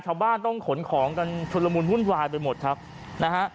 ชาวบ้านต้องขนของกันชุดละมุนวุ่นวายไปหมดครับนะฮะ